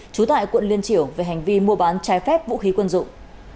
trú tại quận liên triểu về hành vi mua bán trái phép vũ khí quân dụng